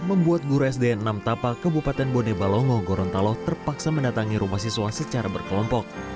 membuat guru sdn enam tapa kebupaten bonebalongo gorontalo terpaksa mendatangi rumah siswa secara berkelompok